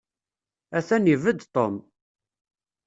Atan ibedd Tom.